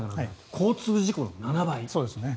交通事故の７倍。